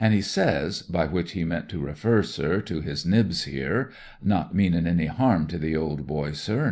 he says, by which he meant to refer, sir, to his Nibs here, not meanin' any harm to the old boy, sir, not at aU, mm 1.